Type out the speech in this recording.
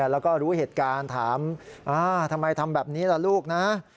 แล้วก็รู้เหตุการณ์ถามทำไมทำแบบนี้ล่ะลูกนะ